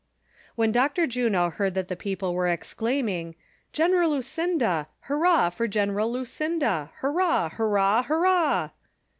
When Dr. Juno heard that the people were exclaiming :" General Lueinda ! Hurrah for General Lueinda ! Hurrah ! Hurrah !! Hurrah